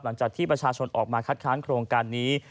หลังจากที่ประชาชนออกมาคัดค้านโครงการนี้